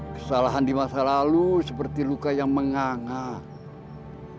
kesalahan di masa lalu seperti luka yang mengangat